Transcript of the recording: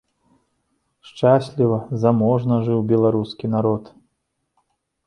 Шчасліва, заможна жыў беларускі народ!